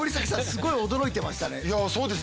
すごい驚いてましたね。